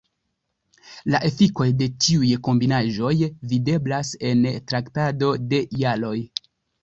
La efikoj de tiuj kombinaĵoj videblas en traktado de jaroj.